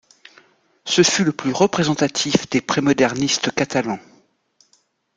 Ce fut le plus représentatif des pré-modernistes catalans.